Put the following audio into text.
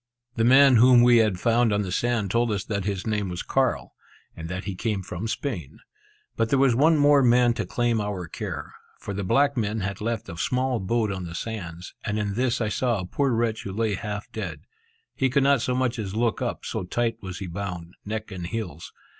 The man whom we had found on the sand told us that his name was Carl, and that he came from Spain. But there was one more man to claim our care; for the black men had left a small boat on the sands, and in this I saw a poor wretch who lay half dead. He could not so much as look up, so tight was he bound, neck and heels.